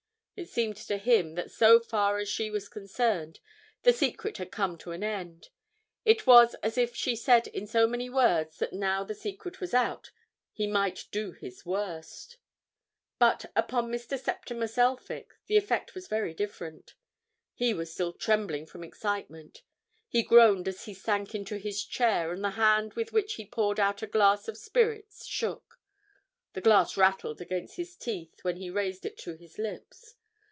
It seemed to him that so far as she was concerned the secret had come to an end; it was as if she said in so many words that now the secret was out he might do his worst. But upon Mr. Septimus Elphick the effect was very different. He was still trembling from excitement; he groaned as he sank into his chair and the hand with which he poured out a glass of spirits shook; the glass rattled against his teeth when he raised it to his lips.